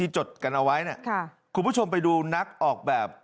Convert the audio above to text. จดกันเอาไว้คุณผู้ชมไปดูนักออกแบบ